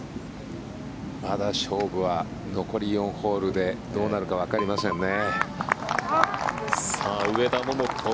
まだ勝負は残り４ホールでどうなるかわかりませんね。